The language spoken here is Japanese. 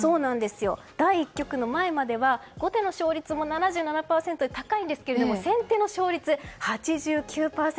第１局の前までは後手の勝率も７７％で高いんですが先手の勝率、８９％。